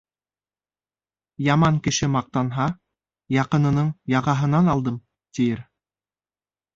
Яман кеше маҡтанһа, яҡынының яғаһынан алдым, тиер.